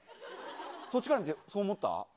そっちから見て、そう思った？